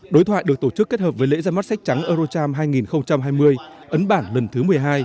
đối thoại được tổ chức kết hợp với lễ ra mắt sách trắng eurocharm hai nghìn hai mươi ấn bản lần thứ một mươi hai